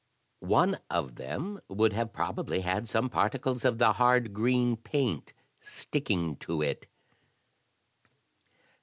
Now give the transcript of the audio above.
One of them would have probably had some particles of the hard green paint sticking to it."